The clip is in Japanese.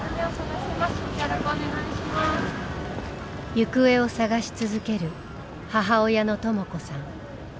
行方を捜し続ける母親のとも子さん。